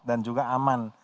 dan juga aman